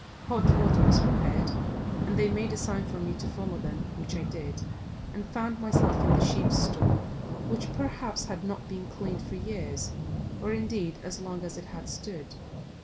Hot water was prepared, and they made a sign for me to follow them, which I did, and found myself in the sheep stall, which, perhaps, had not been cleaned for years, or indeed as long as it had stood.